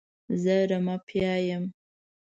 زه رمه پیايم.